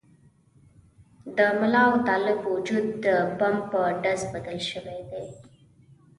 د ملا او طالب وجود د بم په ډز بدل شوي دي.